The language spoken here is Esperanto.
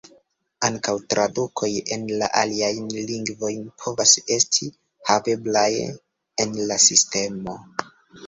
Ankaŭ tradukoj en la aliajn lingvojn povas esti haveblaj en la sistemo.